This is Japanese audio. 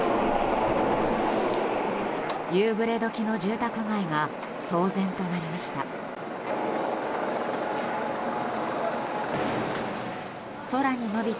夕暮れ時の住宅街が騒然となりました。